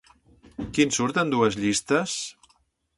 Quin surt en dues llistes?